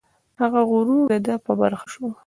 هغه غرور د ده په برخه شو.